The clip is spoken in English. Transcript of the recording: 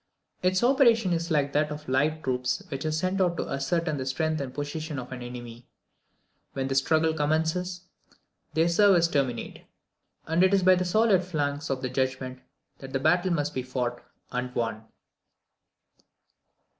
Its operation is like that of the light troops which are sent out to ascertain the strength and position of an enemy. When the struggle commences, their services terminate; and it is by the solid phalanx of the judgment that the battle must be fought and won.